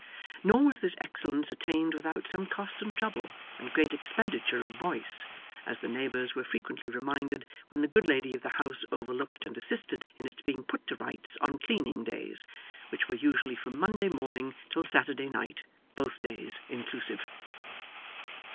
Nor was this excellence attained without some cost and trouble and great expenditure of voice, as the neighbours were frequently reminded when the good lady of the house overlooked and assisted in its being put to rights on cleaning days which were usually from Monday morning till Saturday night, both days inclusive.